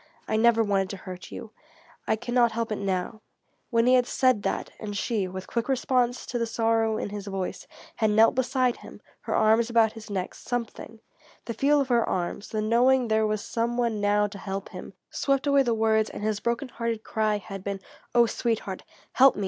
I never wanted to hurt you; I can not help it now," when he had said that, and she, with quick response to the sorrow in his voice, had knelt beside him, her arms about his neck, something, the feel of her arms, the knowing there was some one now to help him swept away the words and his broken hearted cry had been: "Oh, sweetheart help me!